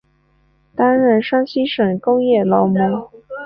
担任山西省工业劳模。